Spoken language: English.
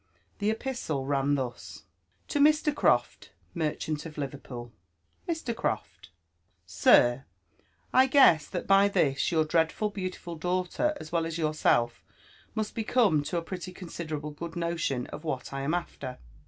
The epistle ran thus :•* TO MR. CROFT, MERCHANT OF LIVERPOOL. " Mb. Croft, *'Sir, — I guess thtt by this, your dreadHil beaotifal dangbter as well asyoar self must be come lo a pretty considerable good nolioD of what I am after.